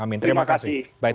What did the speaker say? amin terima kasih